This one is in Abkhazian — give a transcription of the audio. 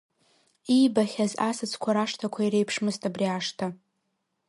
Иибахьаз асаӡқәа рашҭақәа иреиԥшмызт абри ашҭа.